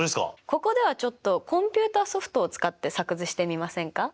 ここではちょっとコンピューターソフトを使って作図してみませんか？